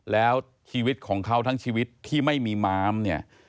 แล้วชีวิตของเขาทั้งชีวิตที่ไม่มีม้ามเนี่ย